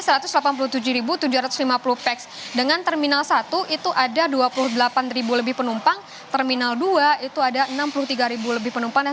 jadi itu adalah tujuh ratus lima puluh peks dengan terminal satu itu ada dua puluh delapan lebih penumpang terminal dua itu ada enam puluh tiga lebih penumpang